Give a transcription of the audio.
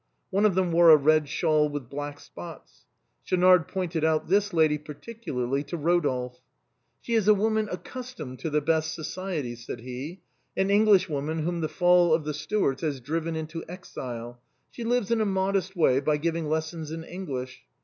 One of them wore a red shawl with black spots ; Schaunard pointed out this lady particularly to Eodolphe. " She is a woman accustomed to the best society," said he ;" an Englishwoman whom the fall of the Stuarts has driven into exile, she lives in a modest way by giving les sons in English.